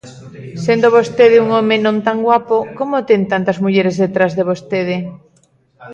Sendo vostede un home non tan guapo, como ten tantas mulleres detrás de vostede?